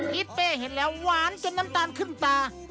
ทิศเป้เห็นแล้วหวานจนน้ำตาลขึ้นตา